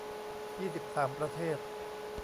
ยี่สิบสาม ประเทศ